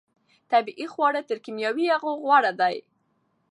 طبیعي خواړه تر کیمیاوي هغو غوره دي.